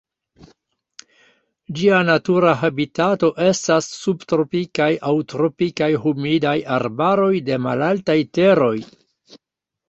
Ĝia natura habitato estas subtropikaj aŭ tropikaj humidaj arbaroj de malaltaj teroj.